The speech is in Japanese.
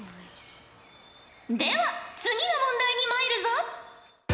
では次の問題にまいるぞ。